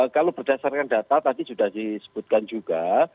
kalau berdasarkan data tadi sudah disebutkan juga